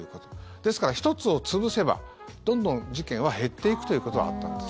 ですから、１つを潰せばどんどん事件は減っていくということはあったんです。